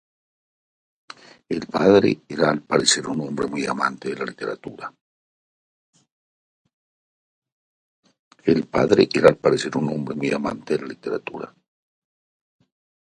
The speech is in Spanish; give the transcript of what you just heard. El padre era al parecer un hombre muy amante de la literatura.